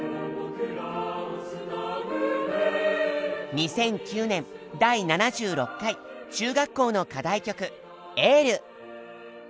２００９年第７６回中学校の課題曲「ＹＥＬＬ」。